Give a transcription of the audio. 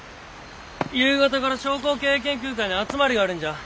夕方から商工経営研究会の集まりがあるんじゃ。